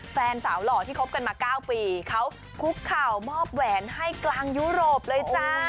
แฟนสาวหล่อที่คบกันมา๙ปีเขาคุกเข่ามอบแหวนให้กลางยุโรปเลยจ้า